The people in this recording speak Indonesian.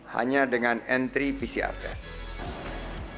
hanya dengan entry pcr test